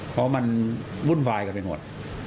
เพราะมันวุ่นวายกันไปหมด